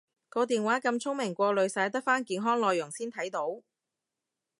個電話咁聰明過濾晒得返健康內容先睇到？